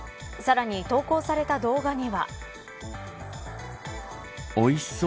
さらに投稿された動画には。